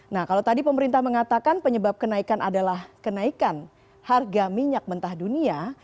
nah kalau tadi pemerintah mengatakan penyebab kenaikan adalah kenaikan harga minyak mentah dunia